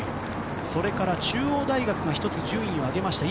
それから中央大学が１つ順位を上げました。